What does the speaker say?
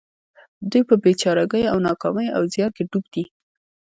دوی په بې چارګيو او ناکاميو او زيان کې ډوب دي.